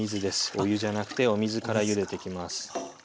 お湯じゃなくてお水からゆでていきます。